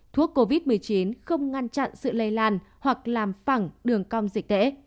thuốc covid một mươi chín không ngăn chặn sự lây lan hoặc làm phẳng đường cong dịch tễ